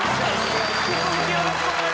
引き続きよろしくお願いいたします。